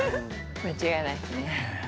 間違いないですね。